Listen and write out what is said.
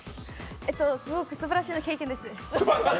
すごくすばらしい経験です。